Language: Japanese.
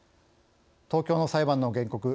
東京の裁判の原告